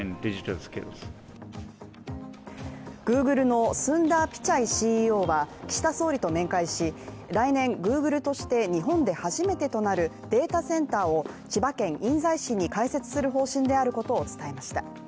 Ｇｏｏｇｌｅのスンダー・ピチャイＣＥＯは岸田総理と面会し来年Ｇｏｏｇｌｅとして日本で初めてとなるデータセンターを千葉県印西市に開設する方針であることを伝えました。